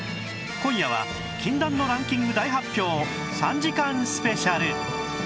今夜は禁断のランキング大発表３時間スペシャル